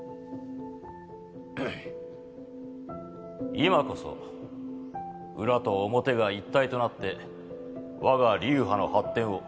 今こそ裏と表が一体となってわが流派の発展を